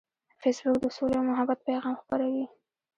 فېسبوک د سولې او محبت پیغام خپروي